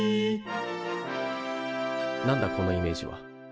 何だこのイメージは。